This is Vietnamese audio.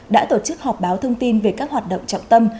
đã tổ chức họp báo thông tin về các hoạt động trọng tâm